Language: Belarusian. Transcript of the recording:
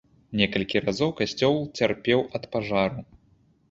Некалькі разоў касцёл цярпеў ад пажару.